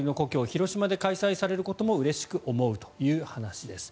広島で開催されることもうれしく思うという話です。